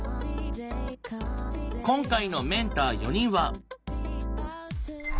今回のメンター４人は？